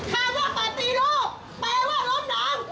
ข้างว่ากบัตรตีรูปแปลว่ารุ่นน้อง